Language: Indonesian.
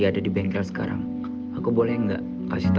jadi itu mainannya